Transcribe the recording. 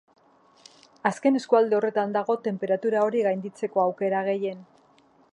Azken eskualde horretan dago tenperatura hori gainditzeko aukera gehien.